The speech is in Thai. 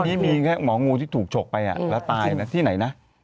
ก่อนนี้มีแค่หม้องงูที่ถูกชกไปแล้วตายที่ไหนนะ